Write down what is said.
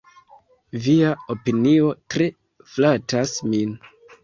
Via opinio tre flatas min.